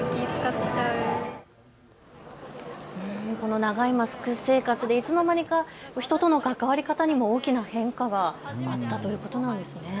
この長いマスク生活でいつのまにか人との関わり方にも大きな変化があったということなんですね。